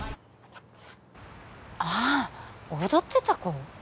ああ踊ってた子？